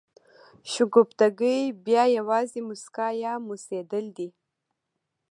شګفتګي بیا یوازې مسکا یا موسېدل دي.